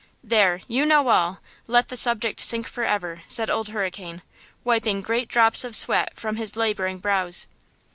There! You know all! let the subject sink forever!" said Old Hurricane, wiping great drops of sweat from his laboring brows.